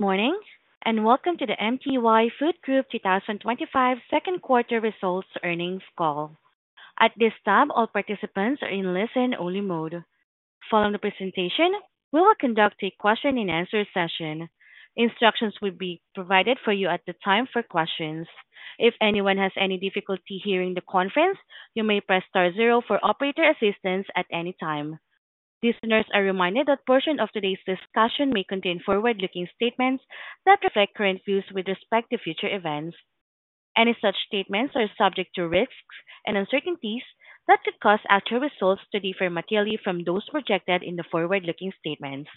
Good morning, and welcome to the MTY Food Group twenty twenty five Second Quarter Results Earnings Call. At this time, all participants are in listen only mode. Following the presentation, we will conduct a question and answer session. Instructions will be provided for you at the time for questions. Anyone has any difficulty hearing the conference, you may press 0 for operator assistance at any time. Listeners are reminded that portion of today's discussion may contain forward looking statements that reflect current views with respect to future events. Any such statements are subject to risks and uncertainties that could cause actual results to differ materially from those projected in the forward looking statements.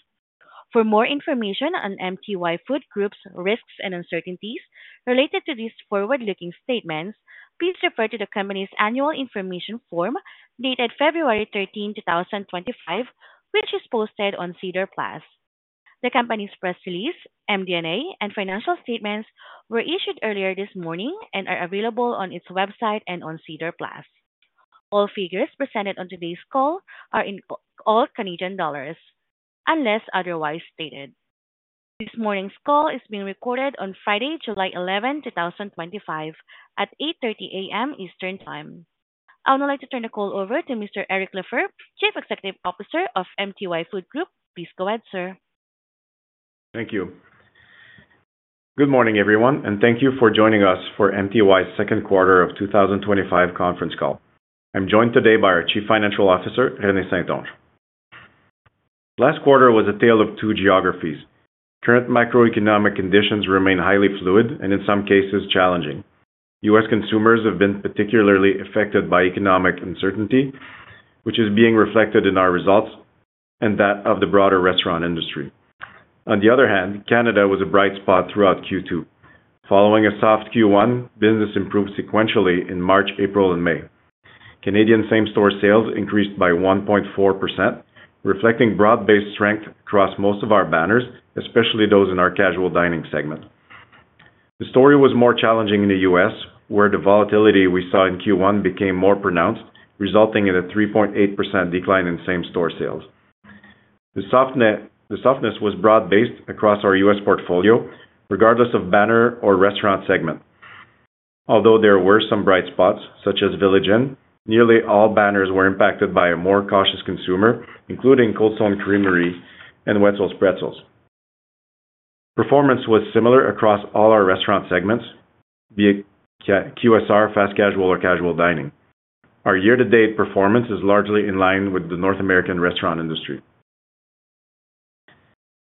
For more information on MTY Food Group's risks and uncertainties related to these forward looking statements, please refer to the company's annual information form dated 02/13/2025, which is posted on SEDAR plus The company's press release, MD and A and financial statements were issued earlier this morning and are available on its website and on SEDAR plus All figures presented on today's call are in all Canadian dollars, unless otherwise stated. This morning's call is being recorded on Friday, 07/11/2025 at 08:30AM eastern time. I would now like to turn the call over to mister Eric Leffer, chief executive officer of MTY Food Group. Please go ahead, sir. Thank you. Good morning, everyone, and thank you for joining us for MTY's second quarter of twenty twenty five conference call. I'm joined today by our Chief Financial Officer, Rene Saintange. Last quarter was a tale of two geographies. Current macroeconomic conditions remain highly fluid and in some cases challenging. U. S. Consumers have been particularly affected by economic uncertainty, which is being reflected in our results and that of the broader restaurant industry. On the other hand, Canada was a bright spot throughout Q2. Following a soft Q1, business improved sequentially in March, April and May. Canadian same store sales increased by 1.4%, reflecting broad based strength across most of our banners, especially those in our casual dining segment. The story was more challenging in The U. S, where the volatility we saw in Q1 became more pronounced, resulting in a 3.8% decline in same store sales. The softness was broad based across our U. S. Portfolio, regardless of banner or restaurant segment. Although there were some bright spots, such as Village Inn, nearly all banners were impacted by a more cautious consumer, including Cold Stone Creamery and Wet'suwl's Pretzels. Performance was similar across all our restaurant segments, be it QSR, fast casual or casual dining. Our year to date performance is largely in line with the North American restaurant industry.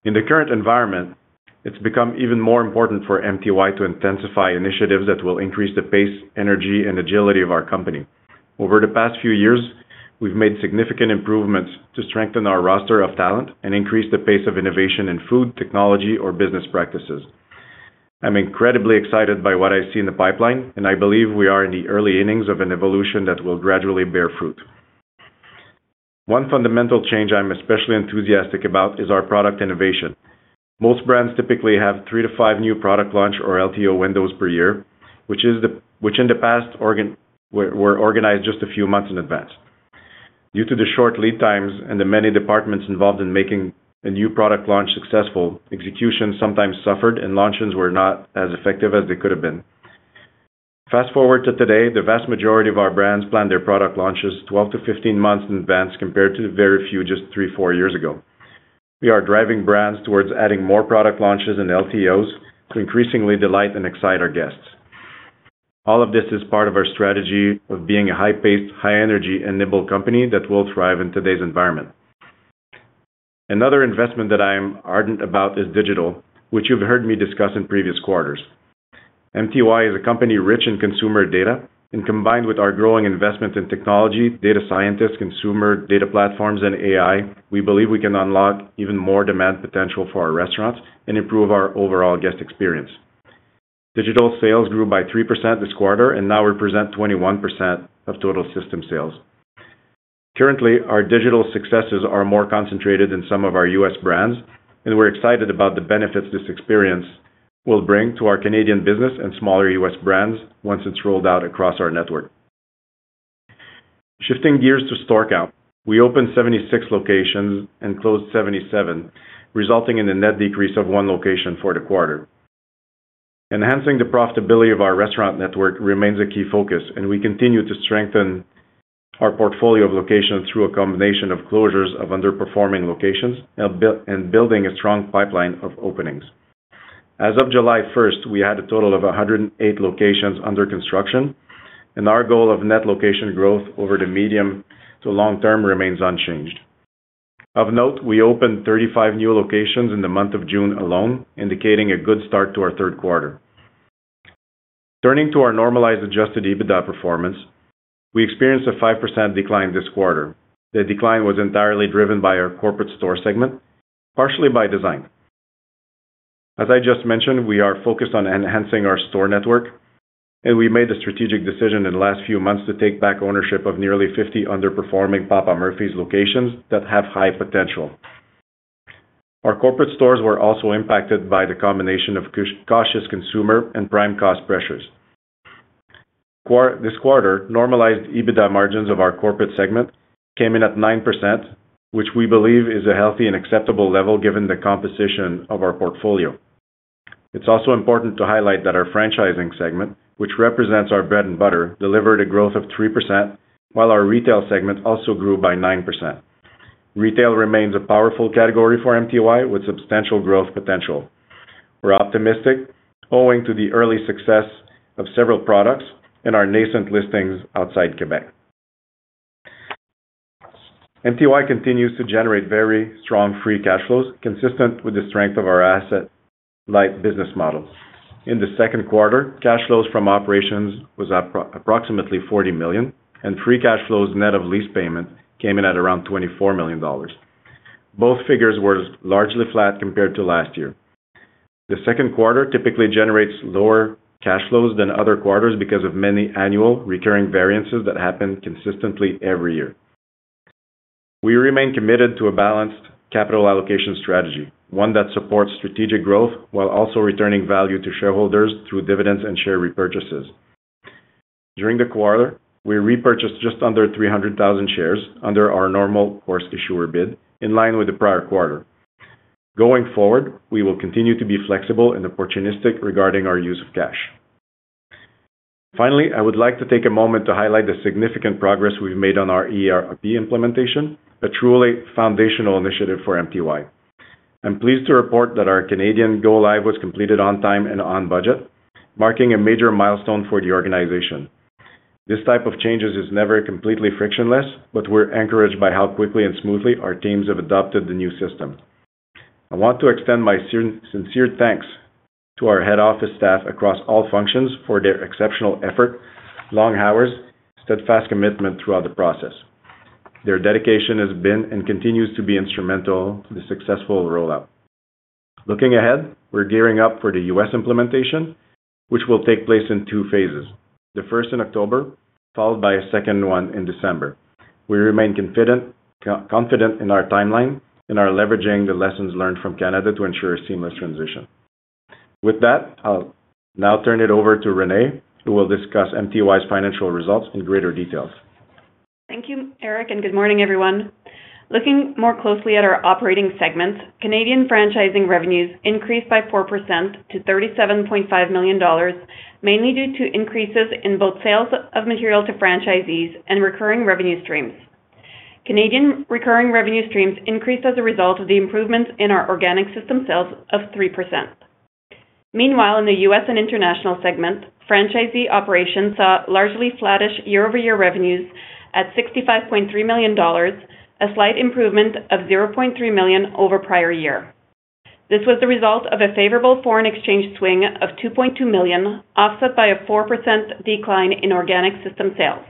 In the current environment, it's become even more important for MTY to intensify initiatives that will increase the pace, energy and agility of our company. Over the past few years, we've made significant improvements to strengthen our roster of talent and increase the pace of innovation in food, technology or business practices. I'm incredibly excited by what I see in the pipeline, and I believe we are in the early innings of an evolution that will gradually bear fruit. One fundamental change I'm especially enthusiastic about is our product innovation. Most brands typically have three to five new product launch or LTO windows per year, which in the past were organized just a few months in advance. Due to the short lead times and the many departments involved in making a new product launch successful, execution sometimes suffered and launches were not as effective as they could have been. Fast forward to today, the vast majority of our brands plan their product launches twelve to fifteen months in advance compared to the very few just three, four years ago. We are driving brands towards adding more product launches and LTOs to increasingly delight and excite our guests. All of this is part of our strategy of being a high paced, high energy and nimble company that will thrive in today's environment. Another investment that I am ardent about is digital, which you've heard me discuss in previous quarters. MTY is a company rich in consumer data and combined with our growing investment in technology, data scientists, consumer data platforms and AI, we believe we can unlock even more demand potential for our restaurants and improve our overall guest experience. Digital sales grew by 3% this quarter and now represent 21% of total system sales. Currently, our digital successes are more concentrated in some of our U. S. Brands and we're excited about the benefits this experience will bring to our Canadian business and smaller U. S. Brands once it's rolled out across our network. Shifting gears to store count. We opened 76 locations and closed 77, resulting in a net decrease of one location for the quarter. Enhancing the profitability of our restaurant network remains a key focus, and we continue to strengthen our portfolio of locations through a combination of closures of underperforming locations and building a strong pipeline of openings. As of July 1, we had a total of 108 locations under construction, and our goal of net location growth over the medium to long term remains unchanged. Of note, we opened 35 new locations in the month of June alone, indicating a good start to our third quarter. Turning to our normalized adjusted EBITDA performance, we experienced a 5% decline this quarter. The decline was entirely driven by our corporate store segment, partially by design. As I just mentioned, we are focused on enhancing our store network, and we made a strategic decision in the last few months to take back ownership of nearly 50 underperforming Papa Murphy's locations that have high potential. Our corporate stores were also impacted by the combination of cautious consumer and prime cost pressures. This quarter, normalized EBITDA margins of our corporate segment came in at 9%, which we believe is a healthy and acceptable level given the composition of our portfolio. It's also important to highlight that our franchising segment, which represents our bread and butter, delivered a growth of 3%, while our Retail segment also grew by 9%. Retail remains a powerful category for MTY with substantial growth potential. We're optimistic, owing to the early success of several products and our nascent listings outside Quebec. NTY continues to generate very strong free cash flows, consistent with the strength of our asset light business model. In the second quarter, cash flows from operations was up approximately 40,000,000 and free cash flows net of lease payments came in at around $24,000,000 Both figures were largely flat compared to last year. The second quarter typically generates lower cash flows than other quarters because of many annual recurring variances that happen consistently every year. We remain committed to a balanced capital allocation strategy, one that supports strategic growth while also returning value to shareholders through dividends and share repurchases. During the quarter, we repurchased just under 300,000 shares under our normal course issuer bid, in line with the prior quarter. Going forward, we will continue to be flexible and opportunistic regarding our use of cash. Finally, I would like to take a moment to highlight the significant progress we've made on our ERP implementation, a truly foundational initiative for MTY. I'm pleased to report that our Canadian Go Live was completed on time and on budget, marking a major milestone for the organization. This type of changes is never completely frictionless, but we're encouraged by how quickly and smoothly our teams have adopted the new system. I want to extend my sincere thanks to our head office staff across all functions for their exceptional effort, long hours, steadfast commitment throughout the process. Their dedication has been and continues to be instrumental to the successful rollout. Looking ahead, we are gearing up for The U. S. Implementation, which will take place in two phases, the first in October, followed by a second one in December. We remain confident in our timeline and are leveraging the lessons learned from Canada to ensure a seamless transition. With that, I'll now turn it over to Renee, who will discuss MTY's financial results in greater detail. Thank you, Eric, and good morning, everyone. Looking more closely at our operating segments, Canadian franchising revenues increased by 4% to $37,500,000 mainly due to increases in both sales of material to franchisees and recurring revenue streams. Canadian recurring revenue streams increased as a result of the improvements in our organic system sales of 3%. Meanwhile, in The U. S. And International segment, franchisee operations saw largely flattish year over year revenues at $65,300,000 a slight improvement of $300,000 over prior year. This was the result of a favorable foreign exchange swing of $2,200,000 offset by a 4% decline in organic system sales.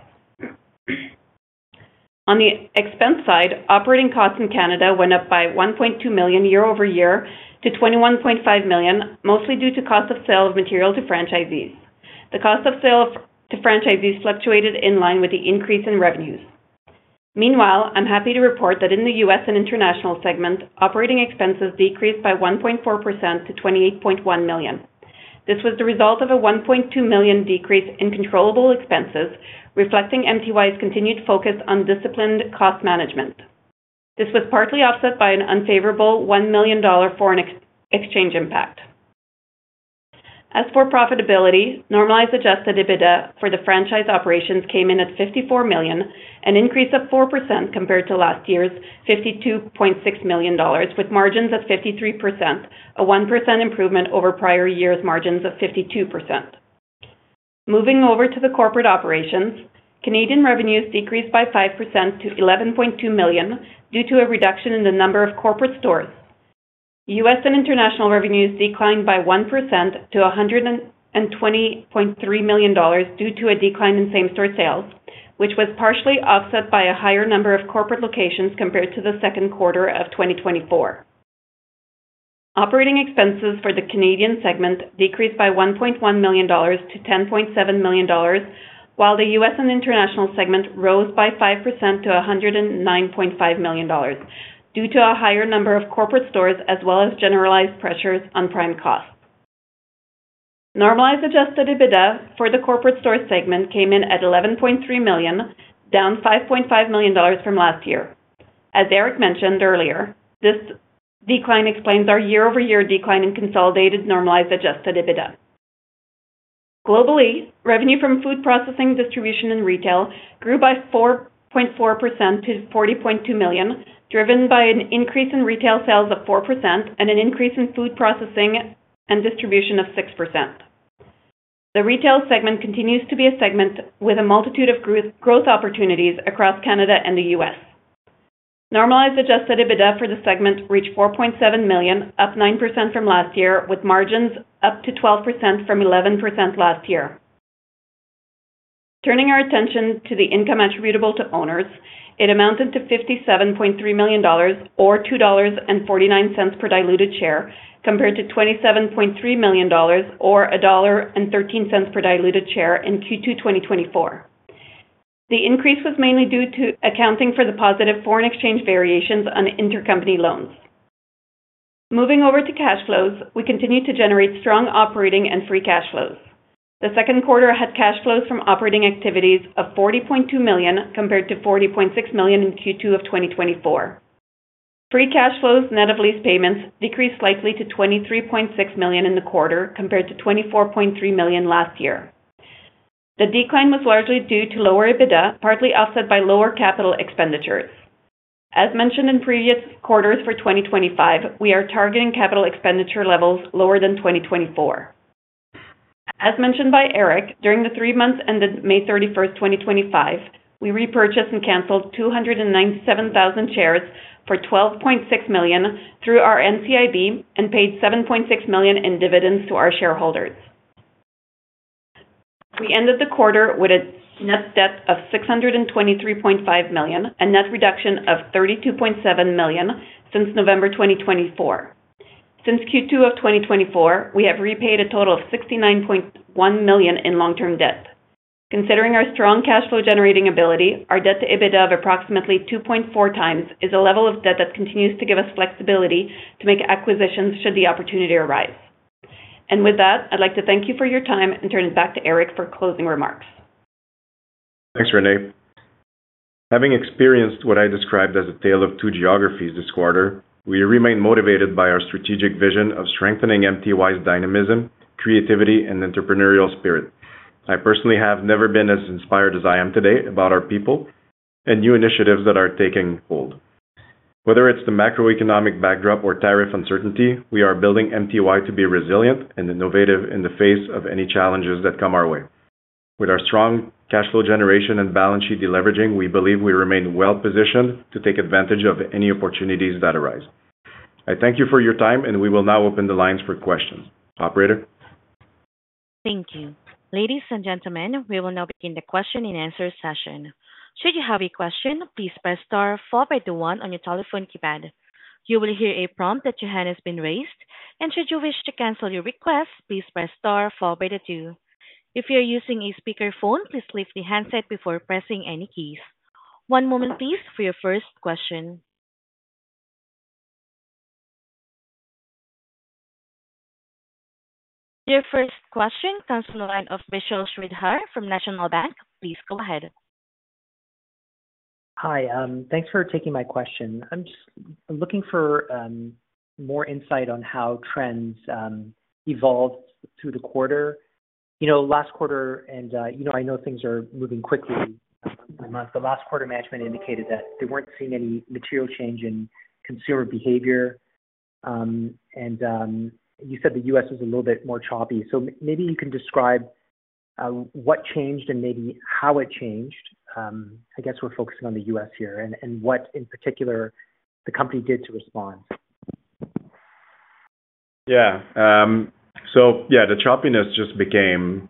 On the expense side, operating costs in Canada went up by $1,200,000 year over year to $21,500,000 mostly due to cost of sales material to franchisees. The cost of sales to franchisees fluctuated in line with the increase in revenues. Meanwhile, I'm happy to report that in The U. S. And International segment, operating expenses decreased by 1.4% to $28,100,000 This was the result of a $1,200,000 decrease in controllable expenses, reflecting MTY's continued focus on disciplined cost management. This was partly offset by an unfavorable $1,000,000 foreign exchange impact. As for profitability, normalized adjusted EBITDA for the franchise operations came in at $54,000,000 an increase of 4% compared to last year's $52,600,000 with margins of 53%, a 1% improvement over prior year's margins of 52%. Moving over to the corporate operations, Canadian revenues decreased by 5% to 11,200,000 due to a reduction in the number of corporate stores. U. S. And international revenues declined by 1% to $120,300,000 due to a decline in same store sales, which was partially offset by a higher number of corporate locations compared to the second quarter of twenty twenty four. Operating expenses for the Canadian segment decreased by $1,100,000 to $10,700,000 while The U. S. And International segment rose by 5% to $109,500,000 due to a higher number of corporate stores as well as generalized pressures on prime costs. Normalized adjusted EBITDA for the Corporate Stores segment came in at $11,300,000 down $5,500,000 from last year. As Eric mentioned earlier, this decline explains our year over year decline in consolidated normalized adjusted EBITDA. Globally, revenue from food processing, distribution and retail grew by 4.4% to $40,200,000 driven by an increase in retail sales of 4% and an increase in food processing and distribution of 6%. The retail segment continues to be a segment with a multitude of growth opportunities across Canada and The U. S. Normalized adjusted EBITDA for the segment reached $4,700,000 up 9% from last year with margins up to 12% from 11% last year. Turning our attention to the income attributable to owners, it amounted to $57,300,000 or $2.49 per diluted share compared to $27,300,000 or $1.13 per diluted share in Q2 twenty twenty four. The increase was mainly due to accounting for the positive foreign exchange variations on intercompany loans. Moving over to cash flows, we continue to generate strong operating and free cash flows. The second quarter had cash flows from operating activities of $40,200,000 compared to $40,600,000 in Q2 of twenty twenty four. Free cash flows net of lease payments decreased slightly to $23,600,000 in the quarter compared to $24,300,000 last year. The decline was largely due to lower EBITDA, partly offset by lower capital expenditures. As mentioned in previous quarters for 2025, we are targeting capital expenditure levels lower than 2024. As mentioned by Eric, during the three months ended 05/31/2025, we repurchased and canceled 297,000 shares for $12,600,000 through our NCIB and paid $7,600,000 in dividends to our shareholders. We ended the quarter with a net debt of 6 and $23,500,000 a net reduction of $32,700,000 since November 2024. Since Q2 of twenty twenty four, we have repaid a total of $69,100,000 in long term debt. Considering our strong cash flow generating ability, our debt to EBITDA of approximately 2.4 times is a level of debt that continues to give us flexibility to make acquisitions should the opportunity arise. And with that, I'd like to thank you for your time and turn it back to Eric for closing remarks. Thanks, Renee. Having experienced what I described as a tale of two geographies this quarter, we remain motivated by our strategic vision of strengthening MTY's dynamism, creativity, and entrepreneurial spirit. I personally have never been as inspired as I am today about our people and new initiatives that are taking hold. Whether it's the macroeconomic backdrop or tariff uncertainty, we are building MTY to be resilient and innovative in the face of any challenges that come our way. With our strong cash flow generation and balance sheet deleveraging, we believe we remain well positioned to take advantage of any opportunities that arise. I thank you for your time, and we will now open the lines for questions. Operator? If you are using a speakerphone, please leave the handset before pressing any keys. One moment, please, for your first question. Your first question comes from the line of Vishal Shreedhar from National Bank. Please go ahead. Hi. Thanks for taking my question. I'm just looking for more insight on how trends evolved through the quarter. Last quarter, and I know things are moving quickly. The last quarter management indicated that they weren't seeing any material change in consumer behavior and you said The US was a little bit more choppy so maybe you can describe what changed and maybe how it changed. I guess we're focusing on The US here and what in particular the company did to respond. Yeah, the choppiness just became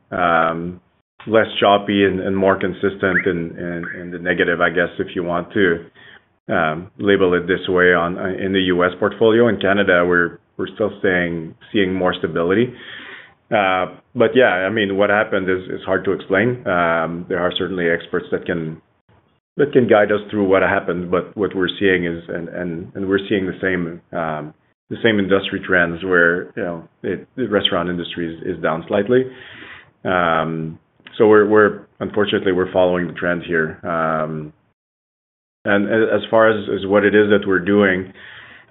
less choppy and more consistent and the negative, I guess if you want to label it this way in The US portfolio in Canada, we're still seeing more stability. But yeah, I mean, what happened is hard to explain. There are certainly experts that can guide us through what happened, what we're seeing is, and we're seeing the same industry trends where the restaurant industry is down slightly. So unfortunately we're following the trends here. And as far as what it is that we're doing,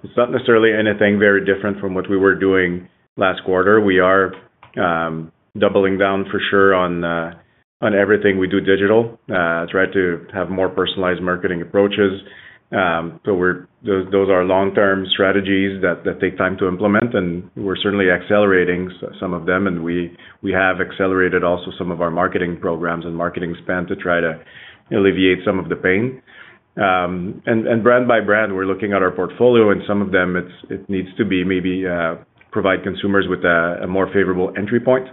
it's not necessarily anything very different from what we were doing last quarter. We are doubling down for sure on everything we do digital, try to have more personalized marketing approaches. So those are long term strategies that take time to implement and we're certainly accelerating some of them and we have accelerated also some of our marketing programs and marketing spend to try to alleviate some of the pain. And brand by brand, we are looking at our portfolio and some of them it needs to be maybe provide consumers with a more favorable entry point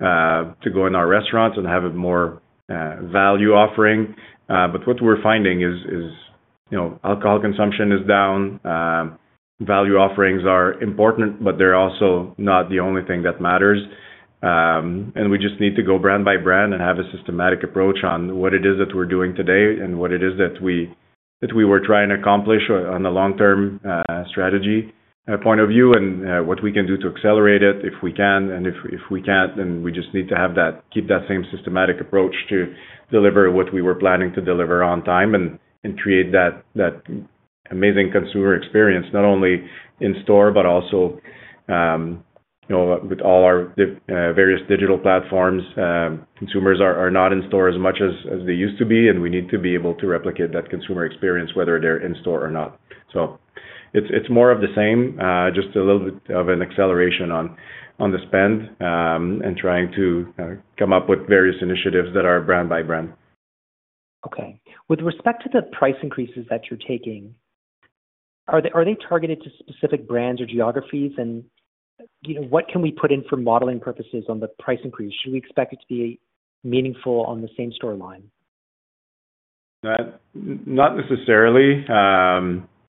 to go in our restaurants and have a more value offering. But what we're finding is alcohol consumption is down, value offerings are important, but they're also not the only thing that matters and we just need to go brand by brand and have a systematic approach on what it is that we're doing today and what it is that we were trying to accomplish on the long term strategy point of view and what we can do to accelerate it if we can and if we can't, then we just need to have that, keep that same systematic approach to deliver what we were planning to deliver on time and create that amazing consumer experience, only in store but also with all our various digital platforms, consumers are not in store as much as they used to be and we need to be able to replicate that consumer experience whether they're in store or not. So it's more of the same, just a little bit of an acceleration on the spend and trying to come up with various initiatives that are brand by brand. Okay. With respect to the price increases that you're taking, are they are they targeted to specific brands or geographies? And what can we put in for modeling purposes on the price increase? Should we expect it to be meaningful on the same store line? Not necessarily,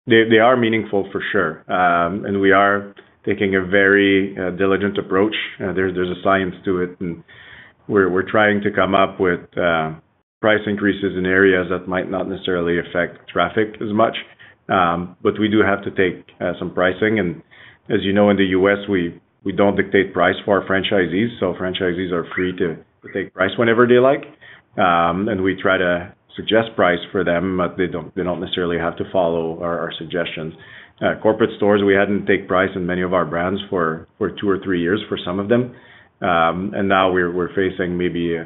they are meaningful for sure. And we are taking a very diligent approach. There's a science to it and we're trying to come up with price increases in areas that might not necessarily affect traffic as much. But we do have to take some pricing and as you know in The US, don't dictate price for our franchisees, so franchisees are free to take price whenever they like and we try to suggest price for them but they necessarily have to follow our suggestions. Corporate stores we hadn't take price in many of our brands for two or three years for some of them and now we're facing maybe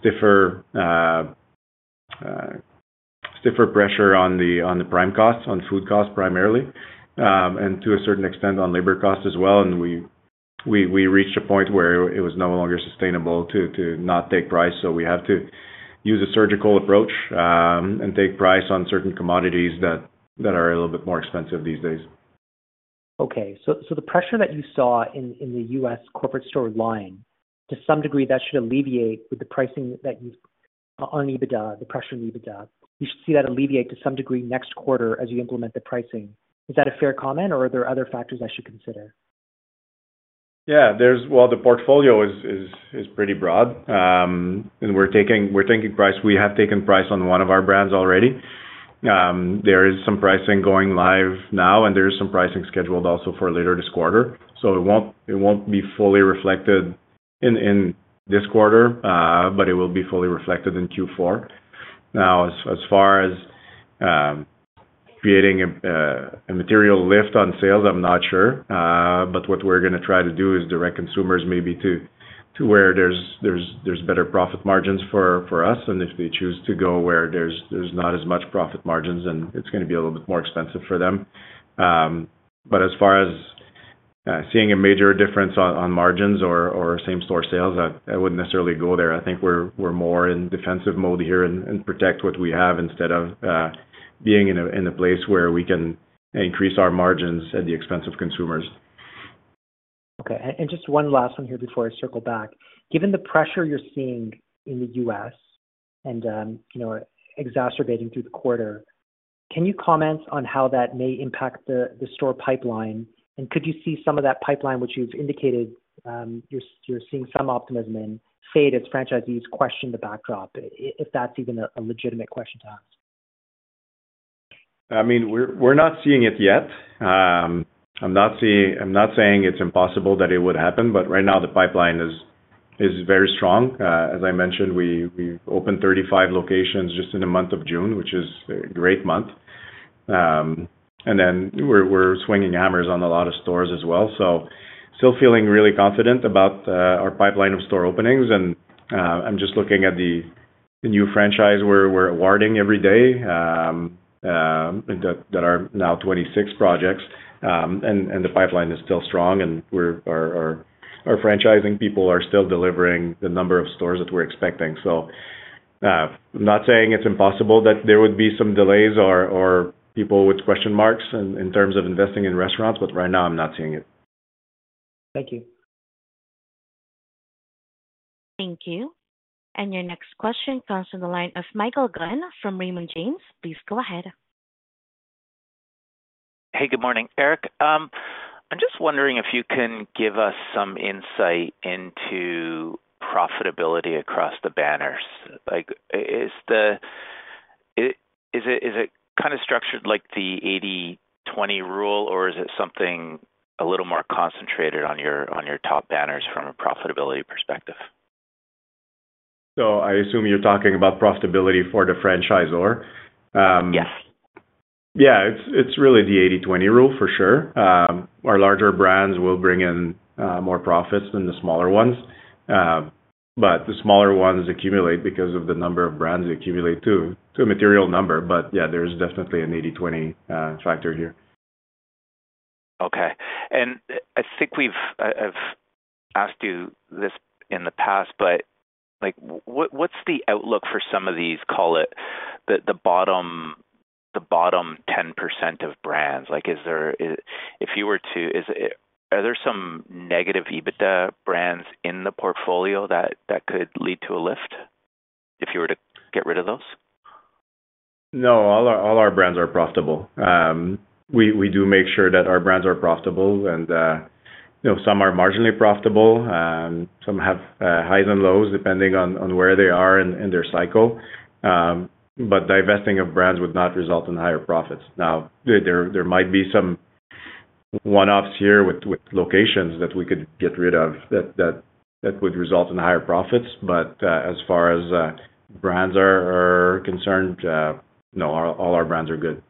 stiffer pressure on the prime costs, on food costs primarily, and to a certain extent on labor costs as well and we reached a point where it was no longer sustainable to not take price, so we have to use a surgical approach and take price on certain commodities that are a little bit more expensive these days. Okay, so the pressure that you saw in The US corporate store line, to some degree that should alleviate with the pricing on EBITDA, the pressure on EBITDA, you should see that alleviate to some degree next quarter as you implement the pricing. Is that a fair comment or are there other factors I should consider? Yeah, there's, well, the portfolio is pretty broad and we're taking price, we have taken price on one of our brands already. There is some pricing going live now and there is some pricing scheduled also for later this quarter, so it won't be fully reflected in this quarter, but it will be fully reflected in Q4. Now as far as creating a material lift on sales, I'm not sure, but what we're going to try to do is direct consumers maybe to where there's better profit margins for us and if they choose to go where there's not as much profit margins and it's going to be a little bit more expensive for them. But as far as seeing a major difference on margins or same store sales, I wouldn't necessarily go there. I think we're more in defensive mode here and protect what we have instead of being in a place where we can increase our margins at the expense of consumers. Okay, and just one last one here before I circle back. Given the pressure you're seeing in The US and exacerbating through the quarter, can you comment on how that may impact store pipeline? And could you see some of that pipeline, which you've indicated you're seeing some optimism and say that franchisees question the backdrop, if that's even a legitimate question to ask? I mean, we're not seeing it yet. I'm not saying it's impossible that it would happen, but right now the pipeline is very strong. As I mentioned, we opened 35 locations just in the month of June, which is a great month. And then we're swinging hammers on a lot of stores as well, so still feeling really confident about our pipeline of store openings and I'm just looking at the new franchise where we're awarding every day that are now 26 projects and the pipeline is still strong and our franchising people are still delivering the number of stores that we're expecting. I'm not saying it's impossible that there would be some delays or people with question marks in terms of investing in restaurants, but right now I'm not seeing it. Thank you. Thank you. And your next question comes from the line of Michael Gunn from Raymond James. Please go ahead. Hey, good morning. Eric, I'm just wondering if you can give us some insight into profitability across the banners. Like, is it kind of structured like the 80 rule or is it something a little more concentrated on your top banners from a profitability perspective? So I assume you're talking about profitability for the franchisor. Yes. Yeah. It's it's really the eighty twenty rule for sure. Our larger brands will bring in more profits than the smaller ones, but the smaller ones accumulate because of the number of brands accumulate to to a material number. But, yeah, there's definitely an eighty twenty factor here. Okay. And I think we've I've you this in the past, but, like, what what's the outlook for some of these, call it, the the bottom the bottom 10% of brands? Like, there if you were to is it are there some negative EBITDA brands in the portfolio that that could lead to a lift if you were to get rid of those? No, all our brands are profitable. We do make sure that our brands are profitable and some are marginally profitable, some have highs and lows depending on where they are in their cycle, but divesting of brands would not result in higher profits. Now there might be some one offs here with locations that we could get rid of that would result in higher profits, but as far as brands are concerned, all our brands are good.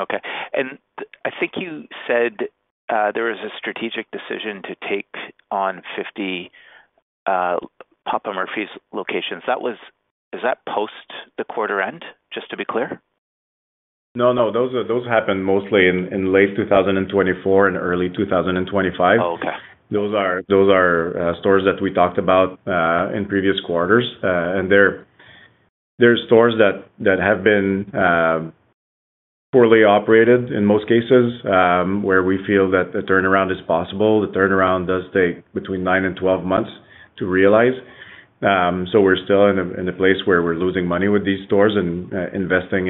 Okay. And I think you said there was a strategic decision to take on 50 Papa Murphy's locations. That was is that post the quarter end, just to be clear? No. No. Those are those happened mostly in in late two thousand and twenty four and early two thousand and twenty five. Okay. Those are stores that we talked about in previous quarters and there are stores that have been poorly operated in most cases where we feel that the turnaround is possible, the turnaround does take nine and twelve months to realize, so we are still in a place where we are losing money with these stores and investing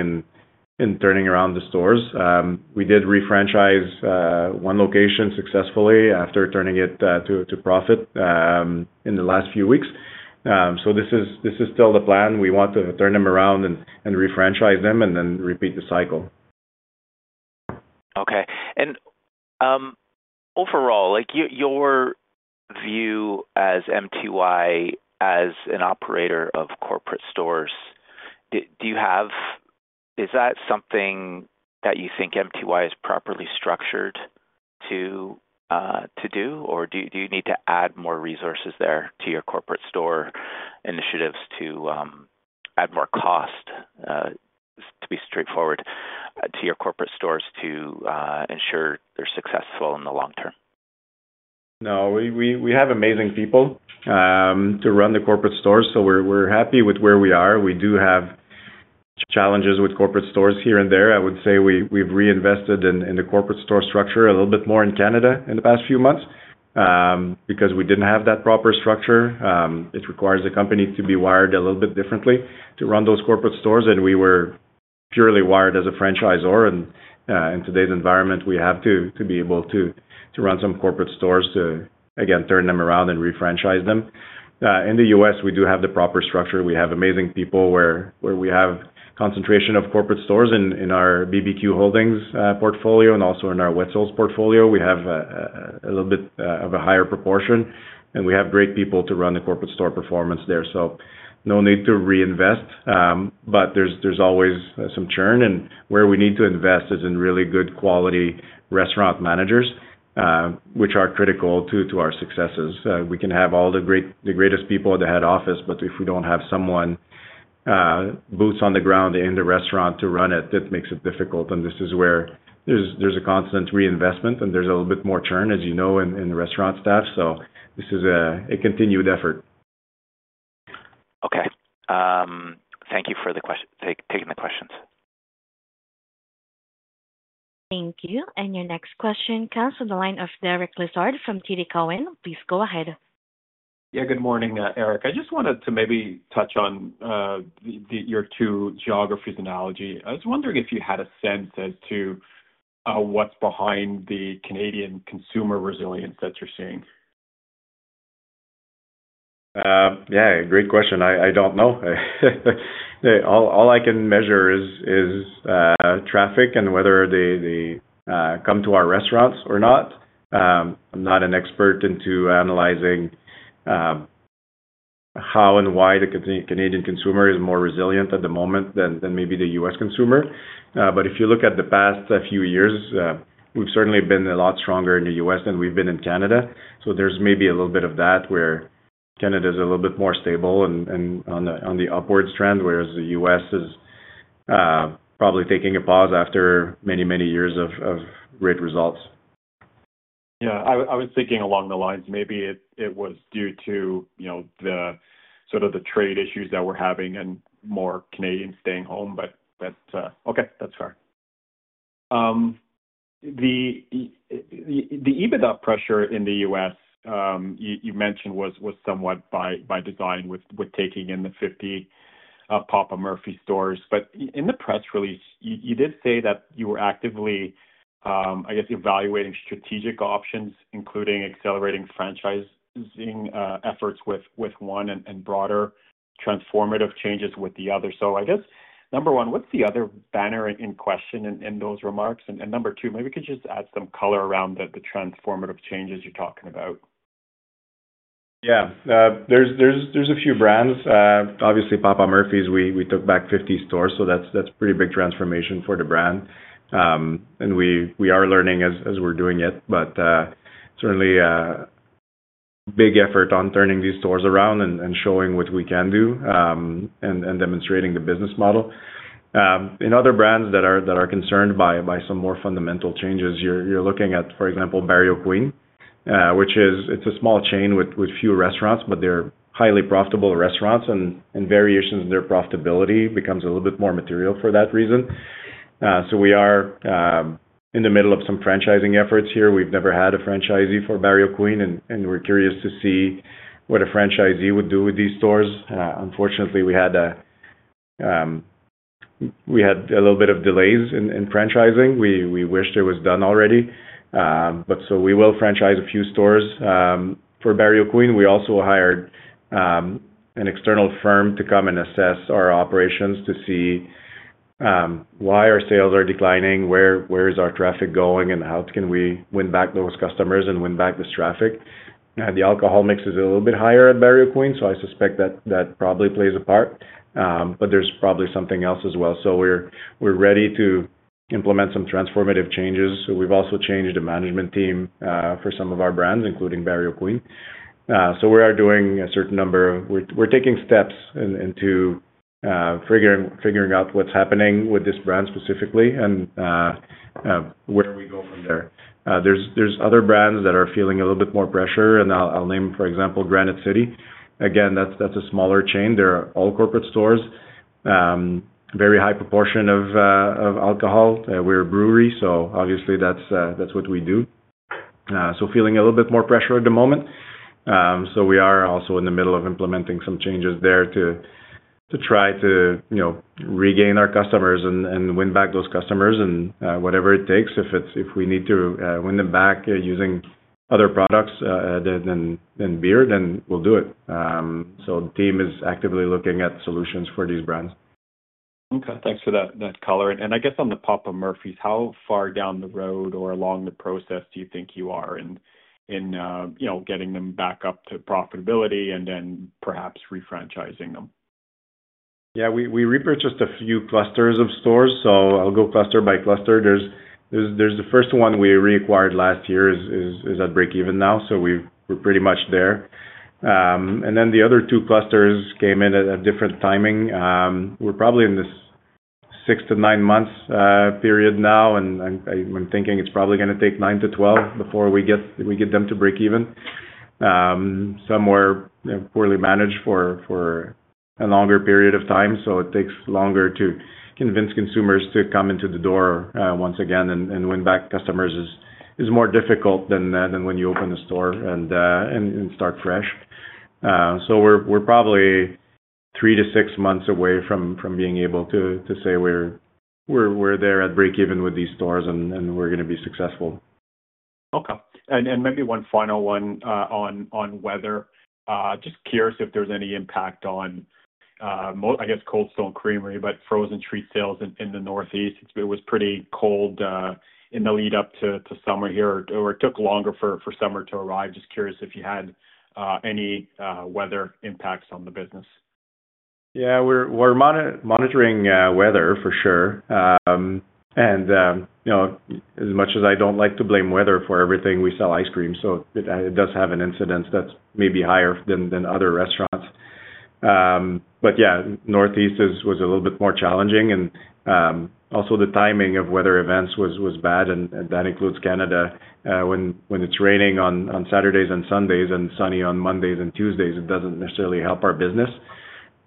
in turning around the stores. We did re franchise one location successfully after turning it to profit in the last few weeks. So this is still the plan, we want to turn them around and re franchise them and then repeat the cycle. Okay. Overall, And like, your your view as MTY as an operator of corporate stores, do do you have is that something that you think MTY is properly structured to do? Or do you need to add more resources there to your corporate store initiatives to add more cost to be straightforward to your corporate stores to ensure they're successful in the long term? No, we have amazing people to run the corporate stores, so we're happy with where we are. We do have challenges with corporate stores here and there. I would say we've reinvested in the corporate store structure a little bit more in Canada in the past few months because we didn't have that proper structure, it requires the company to be wired a little bit differently to run those corporate stores and we were purely wired as a franchisor and in today's environment we have to be able to run some corporate stores to again turn them around and re franchise them. In The U. S, we do have the proper structure, we have amazing people where we have concentration of corporate stores in our BBQ Holdings portfolio and also in our Wet'sulds portfolio, we have a little bit of a higher proportion and we have great people to run the corporate store performance there. No need to reinvest, but there is always some churn and where we need to invest is in really good quality restaurant managers, which are critical to our successes. We can have all the greatest people at the head office but if we don't have someone boots on the ground in the restaurant to run it, that makes it difficult and this is where there's a constant reinvestment and there's a little bit more churn as you know in the restaurant staff. This is a continued effort. Okay, thank you for taking the questions. Thank you. And your next question comes from the line of Derek Lessard from TD Cowen. Please go ahead. Yeah, good morning, Eric. I just wanted to maybe touch on your two geographies analogy. I was wondering if you had a sense as to what's behind the Canadian consumer resilience that you're seeing? Yeah, great question, I don't know. All I can measure is traffic and whether they come to our restaurants or not. I'm not an expert into analyzing how and why the Canadian consumer is more resilient at the moment than maybe The US consumer. But if you look at the past few years, we've certainly been a lot stronger in The US than we've been in Canada, so there's maybe a little bit of that where Canada is a little bit more stable and on the upwards trend, whereas The US is probably taking a pause after many, many years of great results. Yeah, I was thinking along the lines, maybe it was due to sort of the trade issues that we're having and more Canadians staying home, that's fair. The EBITDA pressure in The US mentioned was somewhat by design with taking in the 50 Papa Murphy's stores. But in the press release, you did say that you were actively evaluating strategic options, including accelerating franchising efforts with one and broader transformative changes with the other. So I guess, number one, what's the other banner in question in those remarks? And number two, maybe you could just add some color around the transformative changes you're talking about. There's a few brands, obviously Papa Murphy's, took back 50 stores, that's pretty big transformation for the brand and we are learning as we're doing it, but certainly big effort on turning these stores around and showing what we can do and demonstrating the business model. In other brands that are concerned by some more fundamental changes, you're looking at, for example, Barrio Queen, which is a small chain with few restaurants but they're highly profitable restaurants and variations in their profitability becomes a little bit more material for that reason. So we are in the middle of some franchising efforts here, we've never had franchisee for Barrio Queen and we're curious to see what a franchisee would do with these stores. Unfortunately, had a little bit of delays in franchising, wish it was done already but so we will franchise a few stores for Barrio Queen, we also hired an external firm to come and assess our operations to see why our sales are declining, where is our traffic going and how can we win back those customers and win back this traffic. The alcohol mix is a little bit higher at Barrio Queen, so I suspect that probably plays a part, but there's probably something else as well. So we're ready to implement some transformative changes, we've also changed the management team for some of our brands including Barrio Queen. So we are doing a certain number, we're taking steps into figuring out what's happening with this brand specifically and where we go from there. There's other brands that are feeling a little bit more pressure and I'll name for example Granite City, again that's a smaller chain, they're all corporate stores, very high proportion of alcohol, we're a brewery, so obviously that's what we do. So feeling a little bit more pressure at the moment, so we are also in the middle of implementing some changes there to try to regain our customers and win back those customers and whatever it takes, if we need to win them back using other products than beer then we'll do it. So the team is actively looking at solutions for these brands. Okay, thanks for that color. I guess on the Papa Murphy's, how far down the road or along the process do you think you are in getting them back up to profitability and then perhaps refranchising them? Yeah, we repurchased a few clusters of stores, so I'll go cluster by cluster. There's the first one we reacquired last year is at breakeven now, so we're pretty much there. And then the other two clusters came in at a different timing. We're probably in this six to nine months period now and I'm thinking it's probably going to take nine to twelve before we get them to break even. Some were poorly managed for a longer period of time, so it takes longer to convince consumers to come into the door once again and win back customers is more difficult than when you open the store and start fresh. So we're probably three to six months away from being able to say we're there at breakeven with these stores and we're gonna be successful. Okay, and maybe one final one on weather, Just curious if there's any impact on, I guess, Cold Stone Creamery, but frozen treat sales in the Northeast. It was pretty cold in the lead up to summer here or it took longer for summer to arrive. Just curious if you had any weather impacts on the business? Yeah, we're monitoring weather for sure and as much as I don't like to blame weather for everything, we sell ice cream so it does have an incidence that's maybe higher than other restaurants. But yeah, Northeast was a little bit more challenging and also the timing of weather events was bad and that includes Canada when it's raining on Saturdays and Sundays and sunny on Mondays and Tuesdays, it doesn't necessarily help our business.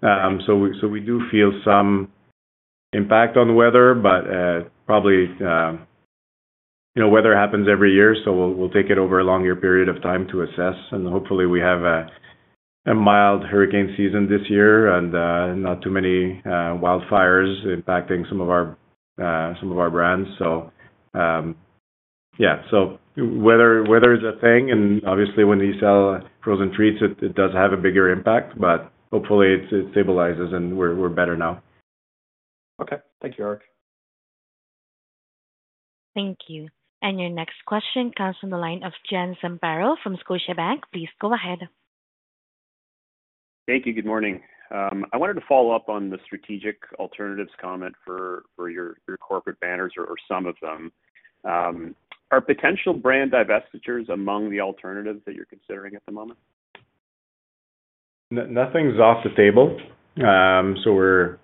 So we do feel some impact on the weather but probably weather happens every year, so we'll take it over a longer period of time to assess and hopefully we have a mild hurricane season this year and not too many wildfires impacting some of our brands. Weather So is a thing and obviously when you sell frozen treats, it does have a bigger impact, but hopefully it stabilizes and we're better now. Okay, thank you, Eric. Thank you. And your next question comes from the line of Jen Samparo from Scotiabank. Please go ahead. Thank you. Good morning. I wanted to follow-up on the strategic alternatives comment for your corporate banners or some of them. Are potential brand divestitures among the alternatives that you're considering at the moment? Nothing's off the table. So we're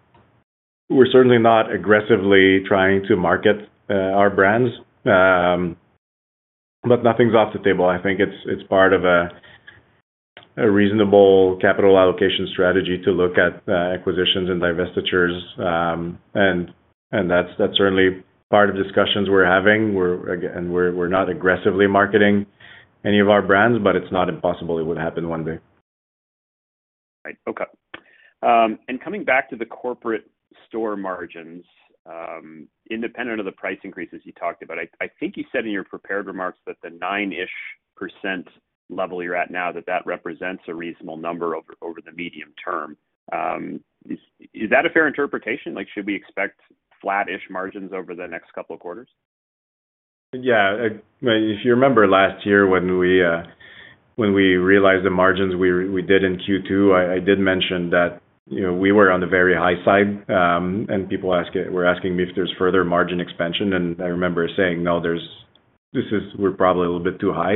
we're certainly not aggressively trying to market our brands, but nothing's off the table. I think it's part of a reasonable capital allocation strategy to look at acquisitions and divestitures and that's certainly part of discussions we're having, and we're not aggressively marketing any of our brands, but it's not impossible, it would happen one day. Right, okay. And coming back to the corporate store margins, independent of the price increases you talked about, I think you said in your prepared remarks that the nine ish percent level you're at now that that represents a reasonable number over the medium term. Is that a fair interpretation? Like should we expect flattish margins over the next couple of quarters? Yeah, if you remember last year when we realized the margins we did in Q2, I did mention that we were on the very high side and people were asking me if there's further margin expansion and I remember saying, is we're probably a little bit too high.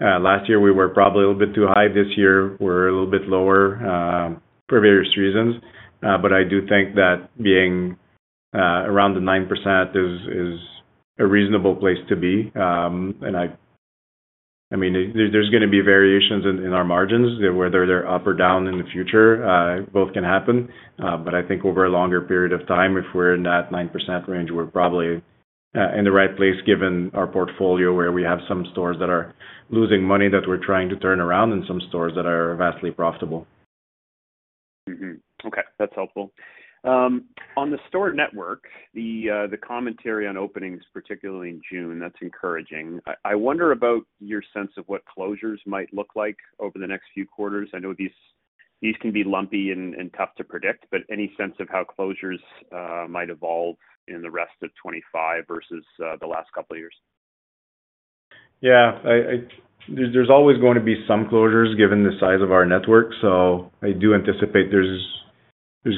Last year we were probably a little bit too high, this year we're a little bit lower for various reasons. But I do think that being around the 9% is a reasonable place to be. There's gonna be variations in our margins, whether they're up or down in the future, both can happen, but I think over a longer period of time, if we're in that 9% range, we're probably in the right place given our portfolio where we have some stores that are losing money that we're trying to turn around and some stores that are vastly profitable. Okay. That's helpful. On the store network, commentary on openings, particularly in June, that's encouraging. I wonder about your sense of what closures might look like over the next few quarters. I know these can be lumpy and tough to predict, but any sense of how closures might evolve in the rest of '25 versus the last couple of years? Yeah, there's always going to be some closures given the size of our network. So I do anticipate there's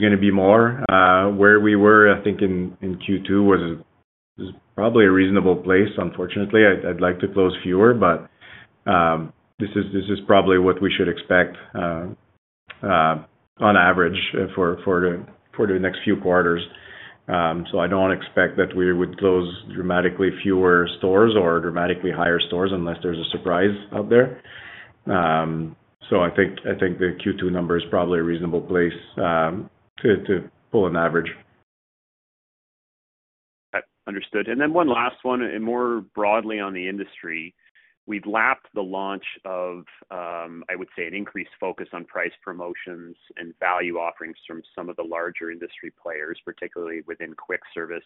gonna be more. Where we were I think in Q2 was probably a reasonable place unfortunately, I'd like to close fewer but this is probably what we should expect on average for the next few quarters. So I don't expect that we would close dramatically fewer stores or dramatically higher stores unless there's a surprise out there. So I think the Q2 number is probably a reasonable place to pull an average. Understood. And then one last one and more broadly on the industry, we've lapped the launch of I would say, an increased focus on price promotions and value offerings from some of the larger industry players, particularly within quick service.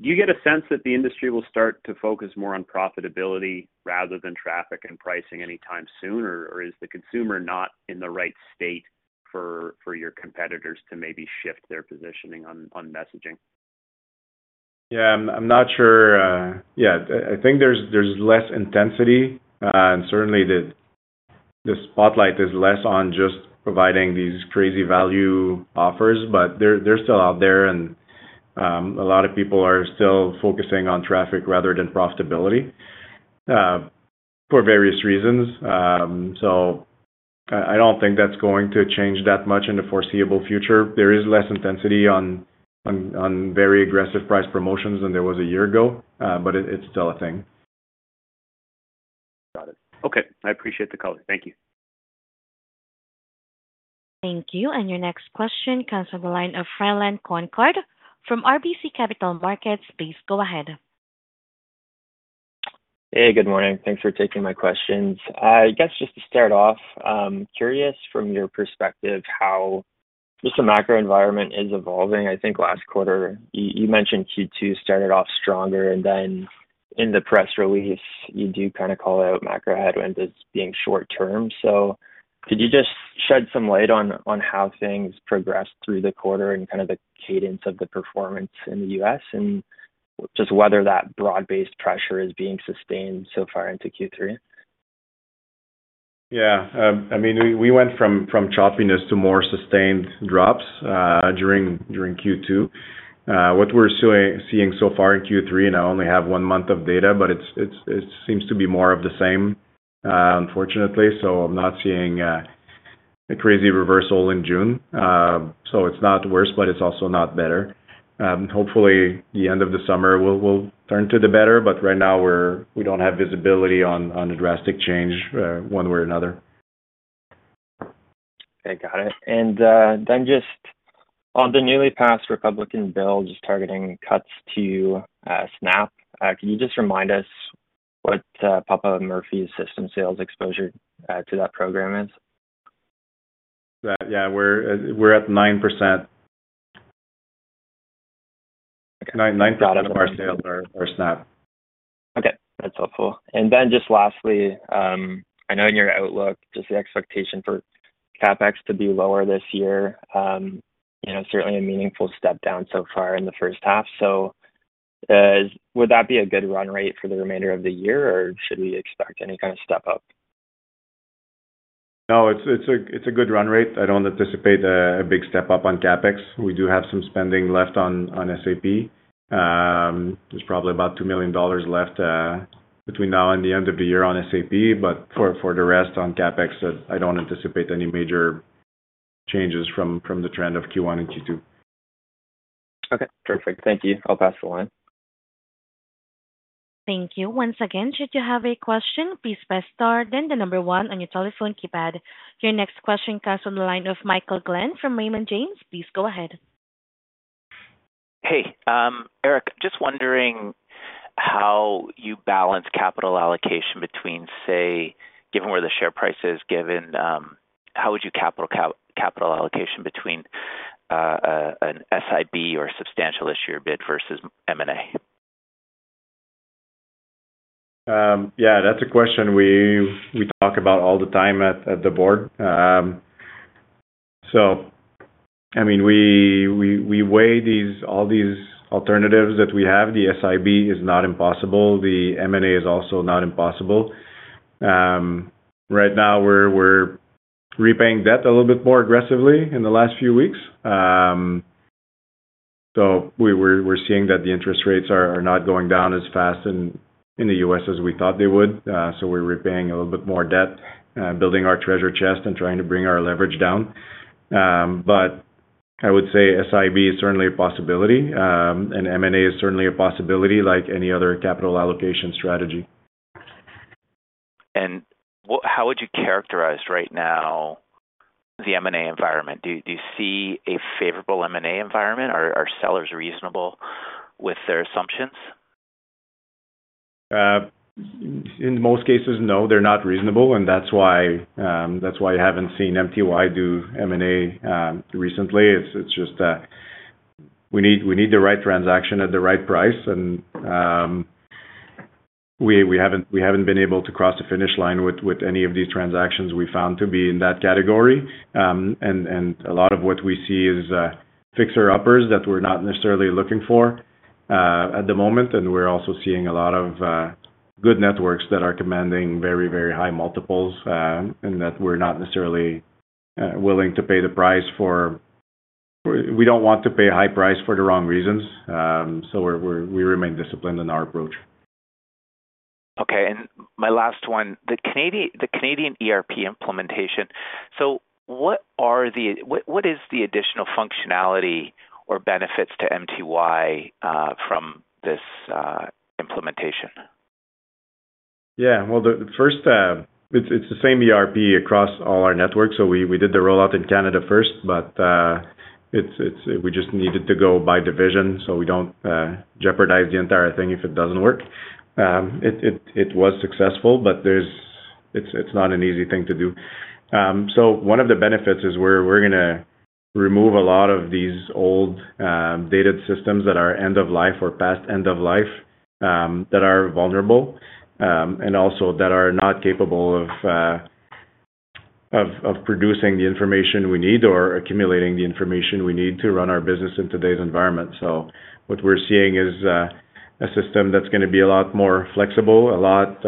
Do you get a sense that the industry will start to focus more on profitability rather than traffic and pricing anytime soon, or is the consumer not in the right state for your competitors to maybe shift their positioning on messaging? I'm not sure. I think there's less intensity and certainly the the spotlight is less on just providing these crazy value offers, but they're still out there and a lot of people are still focusing on traffic rather than profitability for various reasons. I don't think that's going to change that much in the foreseeable future. There is less intensity on very aggressive price promotions than there was a year ago, but it's still a thing. Got it. Okay. I appreciate the color. Thank you. Thank you. And your next question comes from the line of from RBC Capital Markets. Please go ahead. Hey, good morning. Thanks for taking my questions. I guess just to start off, curious from your perspective how just the macro environment is evolving. I think last quarter you mentioned Q2 started off stronger. And then in the press release you do kind of call out macro headwinds as being short term. So could you just shed some light on how things progressed through the quarter and kind of the cadence of the performance in The U. S. And just whether that broad based pressure is being sustained so far into Q3? Yes, I mean, we went from choppiness to more sustained drops during Q2. What we're seeing so far in Q3 and I only have one month of data, but it seems to be more of the same unfortunately, so I'm not seeing a crazy reversal in June. So it's not worse, but it's also not better. Hopefully the end of the summer will turn to the better, but right now we don't have visibility on a drastic change one way or another. Okay, got it. And then just on the newly passed Republican bill just targeting cuts to SNAP, can you just remind us what Papa Murphy's system sales exposure to that program is? Yes, we're at 9%. Percent of our sales are SNAP. Okay, that's helpful. And then just lastly, I know in your outlook, just the expectation for CapEx to be lower this year, certainly a meaningful step down so far in the first half. So would that be a good run rate for the remainder of the year or should we expect any kind of step up? No. It's a good run rate. I don't anticipate a big step up on CapEx. We do have some spending left on SAP. There's probably about $2,000,000 left between now and the end of the year on SAP, but for the rest on CapEx, I don't anticipate any major changes from the trend of Q1 and Q2. Okay. Perfect. Thank you. I'll pass the line. Thank you. Your next question comes from the line of Michael Glenn from Raymond James. Please go ahead. Hey, Eric, just wondering how you balance capital allocation between say, given where the share price is given how would you capital allocation between an SIB or substantial issuer bid versus M and A? Yeah. That's a question we talk about all the time at the board. So, I mean, we weigh all these alternatives that we have, the SIB is not impossible, the M and A is also not impossible. Right now we're repaying debt a little bit more aggressively in the last few weeks, so we're seeing that the interest rates are not going down as fast in The US as we thought they would, so we're repaying a little bit more debt, building our treasure chest and trying to bring our leverage down. But I would say SIB is certainly a possibility and M and A is certainly a possibility like any other capital allocation strategy. How would you characterize right now the M and A environment? Do see a favorable M and A environment? Are sellers reasonable with their assumptions? In most cases, no, they're not reasonable and that's why you haven't seen MTY do M and A recently, it's just that we need the right transaction at the right price and we haven't been able to cross the finish line with any of these transactions we found to be in that category and a lot of what we see is fixer uppers that we're not necessarily looking for at the moment and we're also seeing a lot of good networks that are commanding very, very high multiples and that we're not necessarily willing to pay the price for, we don't want to pay high price for the wrong reasons, so we remain disciplined in our approach. Okay, and my last one, the Canadian ERP implementation, so what is the additional functionality or benefits to MTY from this implementation? Yeah, well, first step, it's the same ERP across all our networks. So we did the rollout in Canada first, but we just needed to go by division, so we don't jeopardize the entire thing if it doesn't work. It was successful, but it's not an easy thing to do. So one of the benefits is we're gonna remove a lot of these old dated systems that are end of life or past end of life that are vulnerable and also that are not capable of producing the information we need or accumulating the information we need to run our business in today's environment. What we're seeing is a system that's gonna be a lot more flexible, lot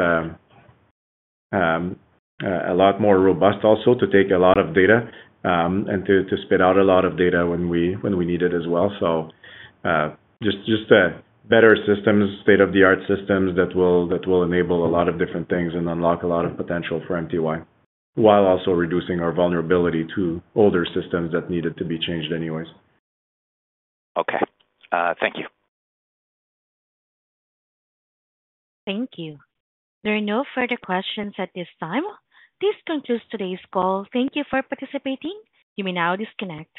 more robust also to take a lot of data and to spit out a lot of data when we need it as well. Just a better systems, state of the art systems that will enable a lot of different things and unlock a lot of potential for MTY, while also reducing our vulnerability to older systems that needed to be changed anyways. Okay. Thank you. Thank you. There are no further questions at this time. This concludes today's call. Thank you for participating. You may now disconnect.